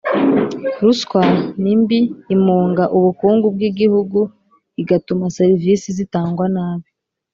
Ruswa ni mbi imunga ubukungu bw'igihugu, igatuma serivisi zitangwa nabi,